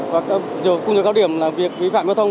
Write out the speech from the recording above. và cũng được góp điểm là việc ký phạm giao thông